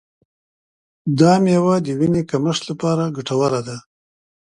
دا میوه د وینې کمښت لپاره ګټوره ده.